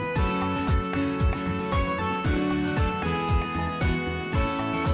ยินดีไป